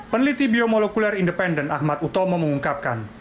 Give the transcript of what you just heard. peneliti biomolekuler independen ahmad utomo mengungkapkan